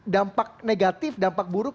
dampak negatif dampak buruk